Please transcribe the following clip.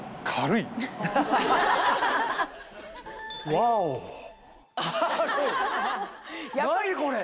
何これ！